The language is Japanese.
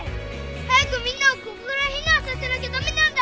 早くみんなをここから避難させなきゃ駄目なんだ！